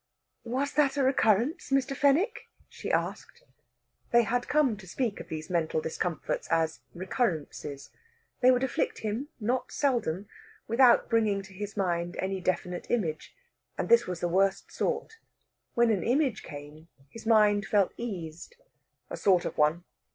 "Was that a recurrence, Mr. Fenwick?" she asked. They had come to speak of these mental discomforts as recurrences. They would afflict him, not seldom, without bringing to his mind any definite image. And this was the worst sort. When an image came, his mind felt eased. "A sort of one."